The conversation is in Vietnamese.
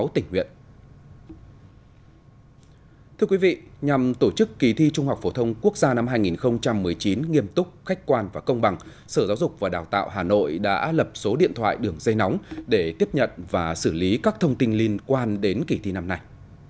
thưa quý vị nhằm tổ chức kỳ thi trung học phổ thông quốc gia năm hai nghìn một mươi chín nghiêm túc khách quan và công bằng sở giáo dục và đào tạo hà nội đã lập số điện thoại đường dây nóng để tiếp nhận và xử lý các thông tin liên quan đến kỳ thi năm nay